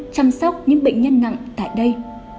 chăm sóc những bệnh nhân nặng tại đây